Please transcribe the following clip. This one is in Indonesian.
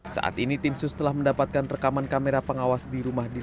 saat ini tim sus telah mendapatkan rekaman kamera pengawas di rumah dinas